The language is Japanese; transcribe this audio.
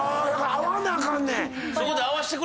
会わなあかんねん。